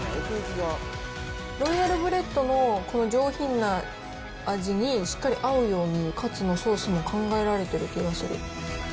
ロイヤルブレッドの、この上品な味にしっかり合うように、カツのソースも考えられてる気がする。